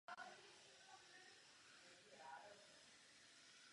Obávám se, že ani Češi neprokáží příliš rozhodnosti.